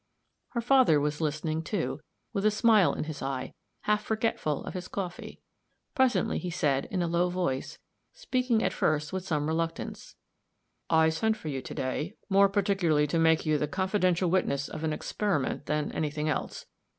Her father was listening, too, with a smile in his eye, half forgetful of his coffee. Presently he said, in a low voice, speaking at first with some reluctance, "I sent for you to day, more particularly to make you the confidential witness of an experiment than any thing else.